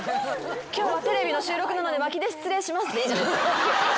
「今日はテレビの収録なので巻きで失礼します」でいいじゃないですか。